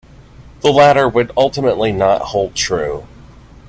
The latter would ultimately not hold true.